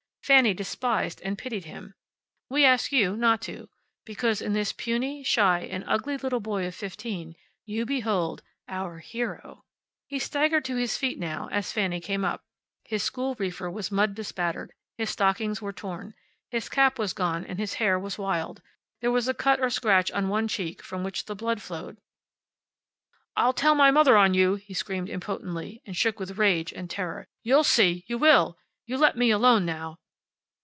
Fanny despised and pitied him. We ask you not to, because in this puny, shy and ugly little boy of fifteen you behold Our Hero. He staggered to his feet now, as Fanny came up. His school reefer was mud bespattered. His stockings were torn. His cap was gone and his hair was wild. There was a cut or scratch on one cheek, from which the blood flowed. "I'll tell my mother on you!" he screamed impotently, and shook with rage and terror. "You'll see, you will! You let me alone, now!"